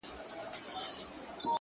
• زیارت کوم نه را رسیږي,